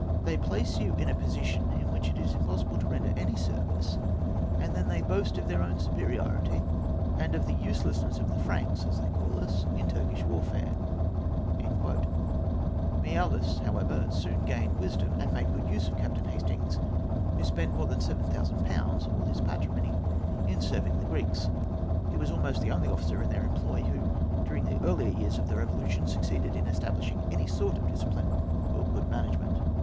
They place you in a position in which it is impossible to render any service, and then they boast of their own superiority, and of the uselessness of the Franks, as they call us, in Turkish warfare." Miaoulis, however, soon gained wisdom and made good use of Captain Hastings, who spent more than 7000£—all his patrimony—in serving the Greeks. He was almost the only officer in their employ who, during the earlier years of the Revolution, succeeded in establishing any sort of discipline or good management.